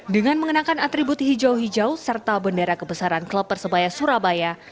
dengan mengenakan atribut hijau hijau serta bendera kebesaran klub persebaya surabaya